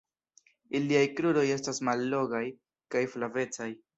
Iliaj kruroj estas mallongaj kaj flavecaj.